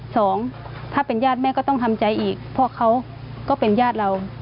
สองถ้าเป็นญาติแม่ก็ต้องทำใจอีกเพราะเขาก็เป็นญาติเรา